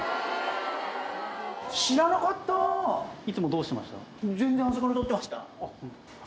いつもどうしてました？